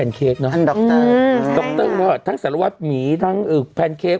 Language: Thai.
อันดรใช่ค่ะค่ะทั้งสารวัติหมีทั้งแพนเค้ก